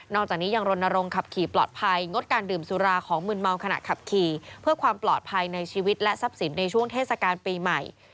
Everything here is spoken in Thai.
จากนี้ยังรณรงค์ขับขี่ปลอดภัยงดการดื่มสุราของมืนเมาขณะขับขี่เพื่อความปลอดภัยในชีวิตและทรัพย์สินในช่วงเทศกาลปีใหม่